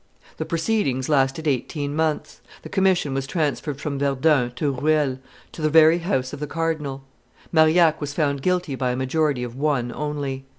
The proceedings lasted eighteen months; the commission was transferred from Verdun to Ruel, to the very house of the cardinal. Marillac was found guilty by a majority of one only.